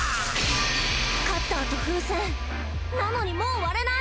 カッターと風船なのにもう割れない！